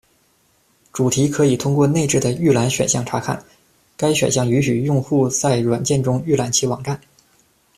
主题可以通过内置的“预览”选项查看，该选项允许用户在软件中预览其网站。